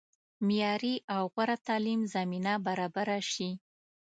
معیاري او غوره تعلیم زمینه برابره شي.